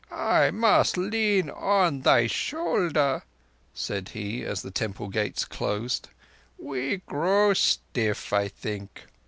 "I must lean on thy shoulder," said he, as the temple gates closed. "We grow stiff, I think."